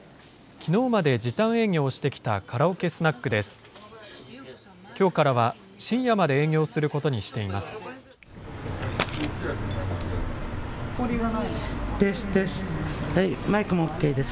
きのうまで時短営業をしてきたカラオケスナックです。